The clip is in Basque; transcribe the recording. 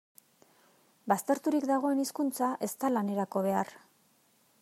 Bazterturik dagoen hizkuntza ez da lanerako behar.